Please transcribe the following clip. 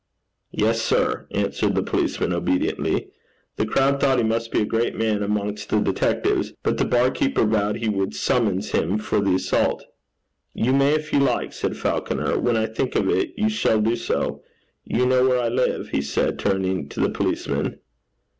'Yes, sir,' answered the policeman obediently. The crowd thought he must be a great man amongst the detectives; but the bar keeper vowed he would 'summons' him for the assault. 'You may, if you like,' said Falconer. 'When I think of it, you shall do so. You know where I live?' he said, turning to the policeman.